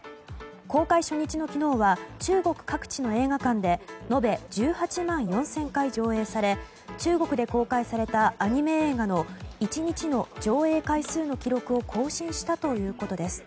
公開初日の昨日は中国各地の映画館で延べ１８万４０００回上映され中国で公開されたアニメ映画の１日の上映回数の記録を更新したということです。